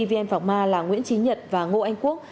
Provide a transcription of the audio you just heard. vn phạc ma là nguyễn trí nhật và ngô anh quốc